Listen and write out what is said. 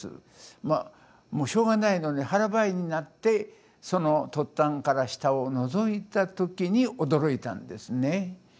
もうしょうがないので腹ばいになってその突端から下をのぞいた時に驚いたんですね。